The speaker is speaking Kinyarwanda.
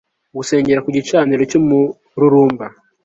Gusengera ku Gicaniro cyUmururumba